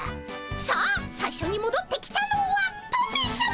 さあ最初にもどってきたのはトメさま！